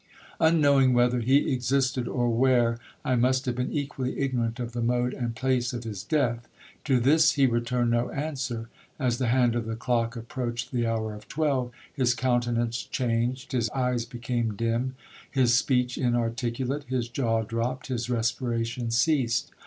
Unknowing whether he existed, or where, I must have been equally ignorant of the mode and place of his death. To this he returned no answer. As the hand of the clock approached the hour of twelve, his countenance changed—his eyes became dim—his speech inarticulate—his jaw dropped—his respiration ceased.